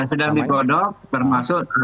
sudah dipodok bermaksud